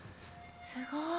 すごい。